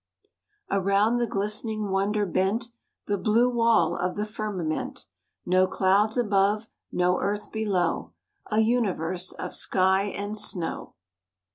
"Around the glistening wonder bent The blue wall of the firmament; No clouds above, no earth below, A universe of sky and snow."